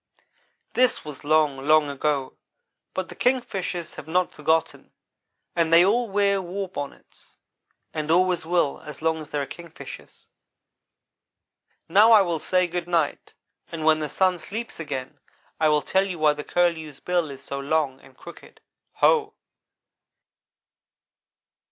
"This was long, long ago, but the Kingfishers have not forgotten, and they all wear war bonnets, and always will as long as there are Kingfishers. "Now I will say good night, and when the sun sleeps again I will tell you why the curlew's bill is so long and crooked. Ho!"